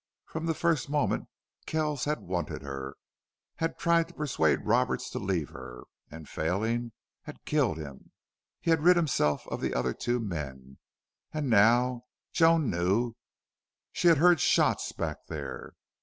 From that first moment Kells had wanted her; he had tried to persuade Roberts to leave her, and, failing, had killed him; he had rid himself of the other two men and now Joan knew she had heard shots back there.